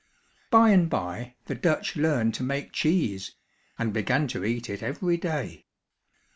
By and by the Dutch learned to make cheese and began to eat it every day.